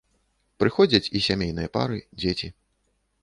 Прыходзяць і сямейныя пары, дзеці.